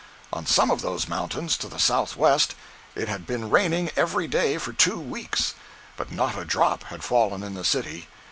On some of those mountains, to the southwest, it had been raining every day for two weeks, but not a drop had fallen in the city.